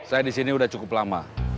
saya disini udah cukup lama